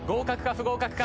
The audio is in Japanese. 不合格か？